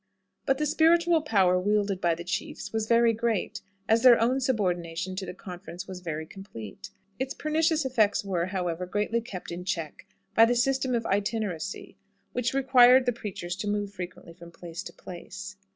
But the spiritual power wielded by the chiefs was very great, as their own subordination to the conference was very complete. Its pernicious effects were, however, greatly kept in check by the system of itinerancy, which required the preachers to move frequently from place to place.